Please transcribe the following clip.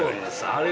あれ